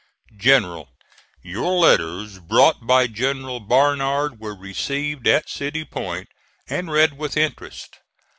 GENERAL: Your letters brought by General Barnard were received at City Point, and read with interest.